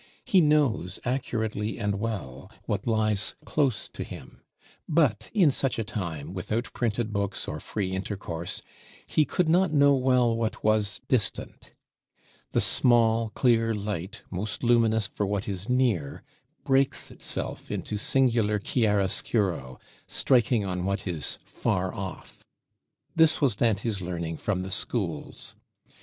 He knows accurately and well what lies close to him; but in such a time, without printed books or free intercourse, he could not know well what was distant: the small clear light, most luminous for what is near, breaks itself into singular chiaroscuro striking on what is far off. This was Dante's learning from the schools.